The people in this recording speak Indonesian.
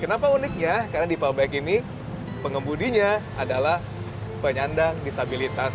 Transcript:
kenapa unik ya karena diva bike ini pengembudinya adalah penyandang disabilitas